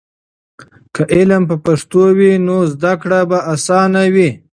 که علم په پښتو وي، نو زده کړه به اسانه وي.